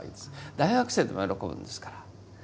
大学生でも喜ぶんですから。